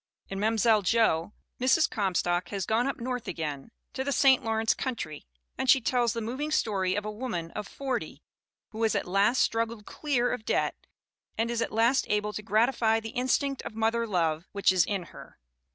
In Mani'selle Jo, Mrs. Comstock has gone up North again, to the St. Lawrence country, and she tells the moving story of a woman of 40 who has at last struggled clear of debt and is at last able to gratify the instinct of moth er love which is in her.